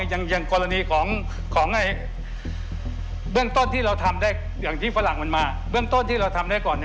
อย่างกรณีของเบื้องต้นที่เราทำได้อย่างที่ฝรั่งมันมาเบื้องต้นที่เราทำได้ก่อน